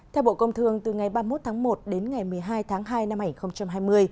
theo bộ công thương từ ngày ba mươi một tháng một đến ngày một mươi hai tháng hai năm hai nghìn hai mươi